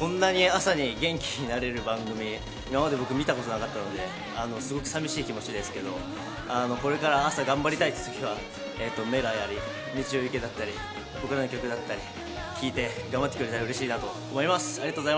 こんなに朝に元気になれる番組、僕、今まで見たことなかったんで、すごく寂しい気持ちですけど、これから朝、頑張りたいときは『Ｍｅｌａ！』なり、『ミチヲユケ』だったり、僕らの曲だったり聴いて、頑張ってくれたら、うれしいなと思います。